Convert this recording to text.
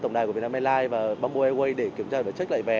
tổng đài của vietnam airlines và bamboo airways để kiểm tra và check lại vé